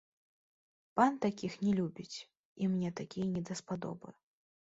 Пан такіх не любіць, і мне такія не даспадобы.